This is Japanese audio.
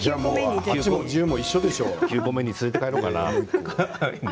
９個目に連れて帰ろうかな。